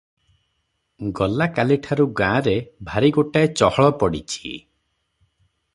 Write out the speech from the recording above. ଗଲା କାଲିଠାରୁ ଗାଁରେ ଭାରି ଗୋଟାଏ ଚହଳ ପଡିଛି ।